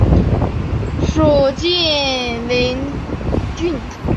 属晋陵郡。